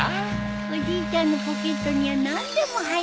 おじいちゃんのポケットには何でも入ってるね。